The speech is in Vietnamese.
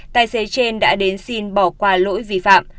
tài xế trên đã đến xin bỏ qua lỗi vi phạm